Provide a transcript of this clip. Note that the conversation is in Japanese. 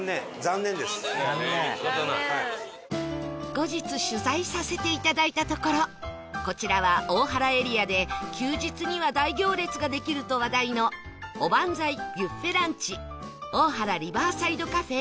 後日取材させて頂いたところこちらは大原エリアで休日には大行列ができると話題のおばんざいビュッフェランチ大原リバーサイドカフェ来